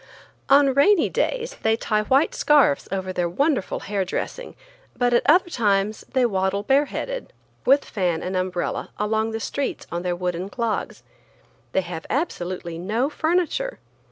On rainy days they tie white scarfs over their wonderful hair dressing, but at other times they waddle bareheaded, with fan and umbrella, along the streets on their wooden clogs. They have absolutely no furniture.